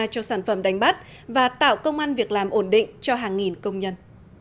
cho sản phẩm đánh bắt và tạo công an việc làm ổn định cho hàng nghìn công nhân